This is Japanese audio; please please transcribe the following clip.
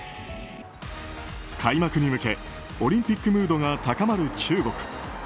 開幕に向けオリンピックムードが高まる中国。